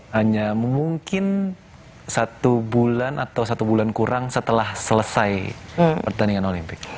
hanya mungkin satu bulan atau satu bulan kurang setelah selesai pertandingan olimpik